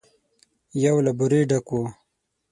يو له بورې ډک و.